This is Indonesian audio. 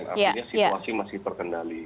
artinya situasi masih terkendali